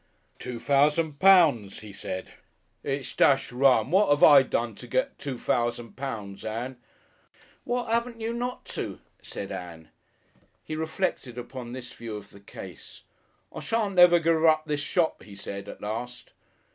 "Two fousand pounds," he said. "It's dashed rum. Wot 'ave I done to get two fousand pounds, Ann?" "What 'aven't you not to?" said Ann. He reflected upon this view of the case. "I shan't never give up this shop," he said at last.